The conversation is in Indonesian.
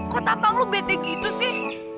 kok tapang lo bete gitu sih